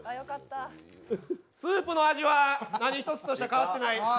スープの味は何一つとして変わってない。